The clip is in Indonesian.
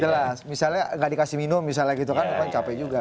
jelas misalnya nggak dikasih minum misalnya gitu kan bukan capek juga